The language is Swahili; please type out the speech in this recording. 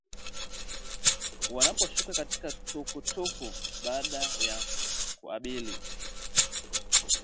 wanaposhuka katika tuku tuku baada ya kuabiri